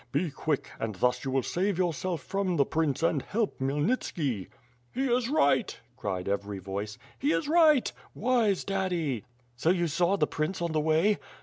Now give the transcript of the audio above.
Be quick, and thus you will save yourself from the prince and help Khmyelnit ski." "He is right!" cried every voice. W/TH FIRE AND SWORD, 267 "He is right!" "Wise daddy!" "So you saw the prince on the way?"